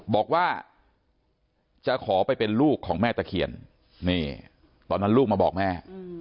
บอกว่าจะขอไปเป็นลูกของแม่ตะเคียนนี่ตอนนั้นลูกมาบอกแม่